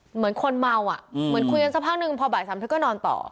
เหมือนคนเมาอ่ะเหมือนคุยกันสักพักนึงพอบ่ายสามเธอก็นอนต่อ